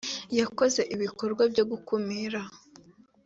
yakoze ibikorwa byo gukumira.